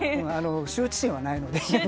羞恥心はないので。